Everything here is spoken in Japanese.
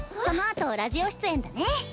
そのあとラジオ出演だね。